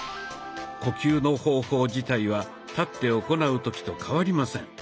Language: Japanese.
呼吸の方法自体は立って行う時と変わりません。